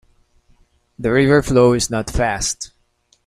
The river flow is not fast.